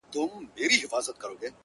چي خاوند به یې روان مخ پر کوټې سو،